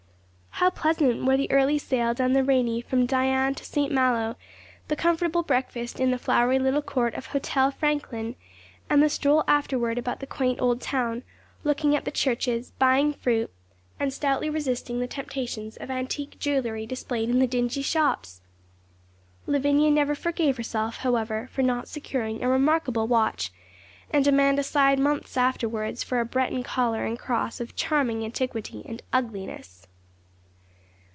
How pleasant were the early sail down the Ranee from Dinan to St. Malo, the comfortable breakfast in the flowery little court of Hôtel Franklin, and the stroll afterward about the quaint old town, looking at the churches, buying fruit, and stoutly resisting the temptations of antique jewelry displayed in the dingy shops! Lavinia never forgave herself, however, for not securing a remarkable watch, and Amanda sighed months afterward for a Breton collar and cross of charming antiquity and ugliness.